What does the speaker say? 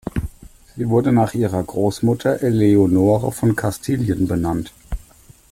Sie wurde nach ihrer Großmutter Eleonore von Kastilien benannt.